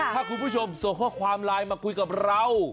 ถ้าคุณผู้ชมส่งข้อความไลน์มาคุยกับเรา